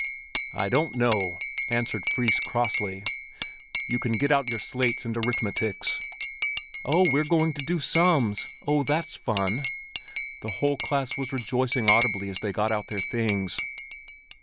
"I don't know," answered Fris crossly. "You can get out your slates and arithmetics." "Oh, we're going to do sums, oh, that's fun!" The whole class was rejoicing audibly as they got out their things.